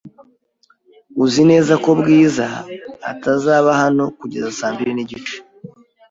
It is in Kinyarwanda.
Uzi neza ko Bwiza atazaba hano kugeza saa mbiri nigice?